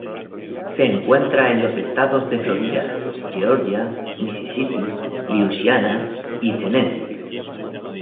Se encuentra en los estados de Florida, Georgia, Mississippi, Luisiana y Tennessee.